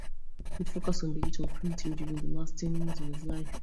He focused on digital printing during the last ten years of his life.